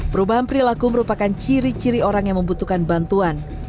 perubahan perilaku merupakan ciri ciri orang yang membutuhkan bantuan